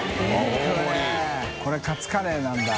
これカツカレーなんだ。